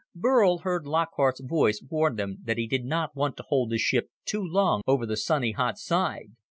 Burl heard Lockhart's voice warn them that he did not want to hold the ship too long over the sunny hot side.